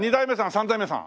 ３代目さん？